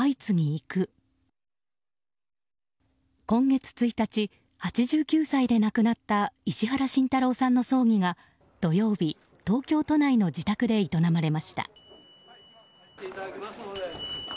今月１日、８９歳で亡くなった石原慎太郎さんの葬儀が土曜日、東京都内の自宅で営まれました。